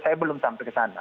saya belum sampai ke sana